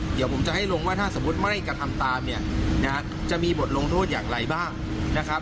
เดี๋ยวผมจะให้ลงว่าถ้าสมมุติไม่กระทำตามเนี่ยนะฮะจะมีบทลงโทษอย่างไรบ้างนะครับ